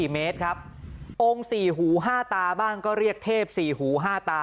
๒๔เมตรครับองค์สี่หูห้าตาบ้างก็เรียกเทพสี่หูห้าตา